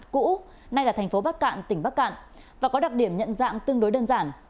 cũ nay là tp bắc cạn tỉnh bắc cạn và có đặc điểm nhận dạng tương đối đơn giản